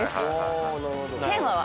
テーマは。